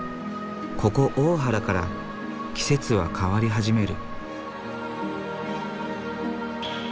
ここ大原から季節は変わり始める。